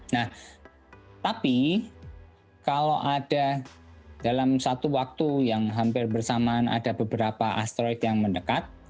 nah tapi kalau ada dalam satu waktu yang hampir bersamaan ada beberapa asteroid yang mendekat